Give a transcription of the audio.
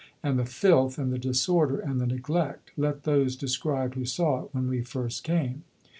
And the filth, and the disorder, and the neglect, let those describe who saw it when we first came....